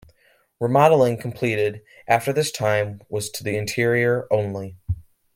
Remodeling completed after this time was to the interior only.